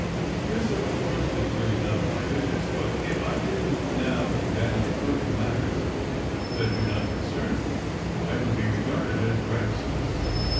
This, of course, is really none of my business, but if I didn't now and then refer to matters that do not concern me I would be regarded as reticent.